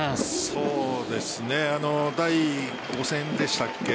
そうですね、第５戦でしたっけ